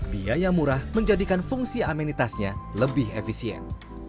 biaya murah menjadikan fungsi amenitasnya lebih efisien